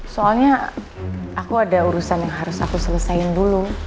soalnya aku ada urusan yang harus aku selesaiin dulu